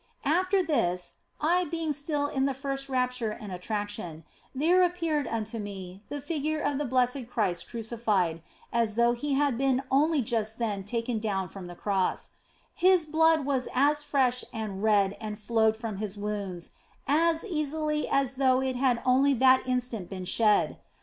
After this (I being still in the first rapture and attrac tion), there appeared unto me the figure of the Blessed Christ Crucified, as though He had been only just then taken down from the Cross ; His blood was as fresh and red and flowed from His wounds as easily as though it had only that instant been shed.